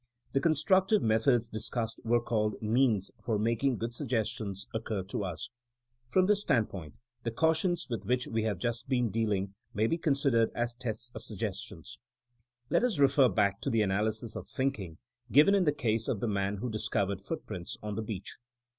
The constructive methods discussed were called means for making good suggestions occur to us. From this standpobit the cautions with which we have just been dealiug may be considered as tests of suggestions.. Let us refer back to the analysis of thinking given in the case of the man who discovered footprints on the beach.